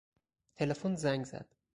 تلفن زنگ زد.